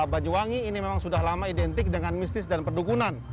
banyuwangi ini memang sudah lama identik dengan mistis dan perdukunan